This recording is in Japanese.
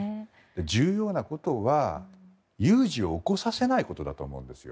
重要なことは有事を起こさせないことだと思うんですよ。